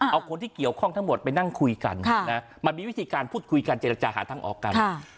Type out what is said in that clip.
เอาคนที่เกี่ยวข้องทั้งหมดไปนั่งคุยกันมันมีวิธีการพูดคุยกันเจรจาหาทางออกกัน